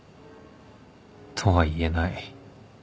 とは言えない